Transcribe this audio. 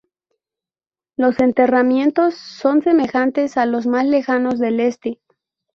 Los enterramientos son semejantes a los más lejanos del este.